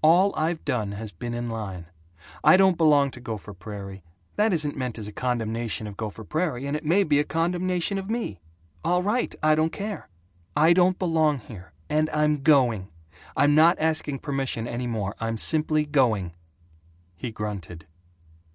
All I've done has been in line. I don't belong to Gopher Prairie. That isn't meant as a condemnation of Gopher Prairie, and it may be a condemnation of me. All right! I don't care! I don't belong here, and I'm going. I'm not asking permission any more. I'm simply going." He grunted.